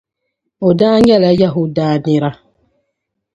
O daa nyɛla Yɛhudia nira.